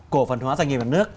cổ phần hóa doanh nghiệp nhà nước